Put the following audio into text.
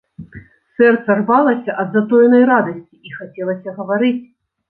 Сэрца рвалася ад затоенай радасці, і хацелася гаварыць.